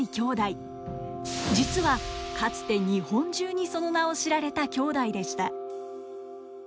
実はかつて日本中にその名を知られた兄弟でした。